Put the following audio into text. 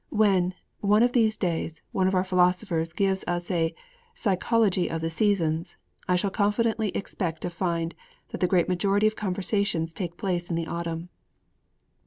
When, one of these days, one of our philosophers gives us a Psychology of the Seasons, I shall confidently expect to find that the great majority of conversions take place in the autumn.